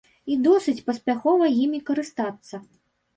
І досыць паспяхова імі карыстацца.